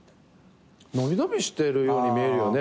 伸び伸びしてるように見えるよね。